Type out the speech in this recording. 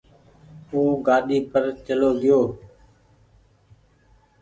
او گآڏي پر چلو گئيو